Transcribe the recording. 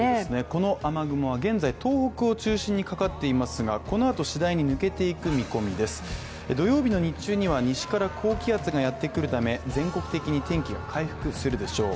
この雨雲は現在東北を中心にかかっていますがこのあと次第に抜けていく見込みです土曜日の日中には西から高気圧がやってくるため、全国的に天気が回復するでしょう。